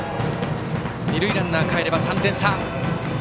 二塁ランナーかえれば３点差。